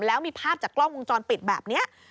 แล้วมีภาพจากกล้องวงจรปิดแบบนี้